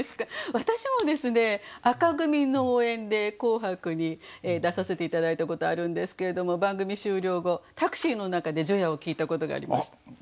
私もですね紅組の応援で「紅白」に出させて頂いたことあるんですけれども番組終了後タクシーの中で除夜を聞いたことがありました。